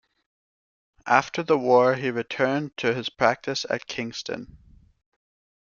After the war he returned to his practice at Kingston.